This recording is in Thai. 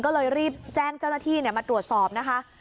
ก็เลยรีบแจ้งเจ้าหน้าที่มาตรวจสอบนะคะ